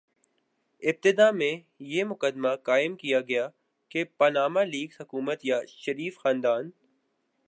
ابتدا میں یہ مقدمہ قائم کیا گیا کہ پاناما لیکس حکومت یا شریف خاندان